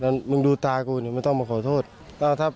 เดินมารู้เขาเดินมาข้างนอกตอนไหนเขาก็เลยตีกัน